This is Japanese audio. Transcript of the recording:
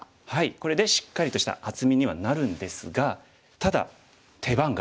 これでしっかりとした厚みにはなるんですがただ手番が黒に渡りましたね。